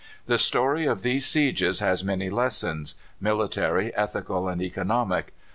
The story of these sieges has many lessons military, ethical, and economic.